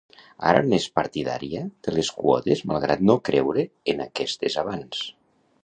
Ara n'és partidària de les quotes malgrat no creure en aquestes abans.